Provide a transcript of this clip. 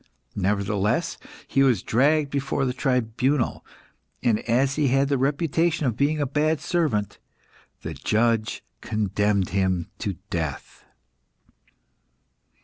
Nevertheless, he was dragged before the tribunal, and as he had the reputation of being a bad servant, the judge condemned him to death.